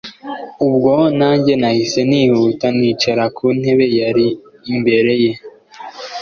ubwo nanjye nahise nihuta nicara kuntebe yari imbere ye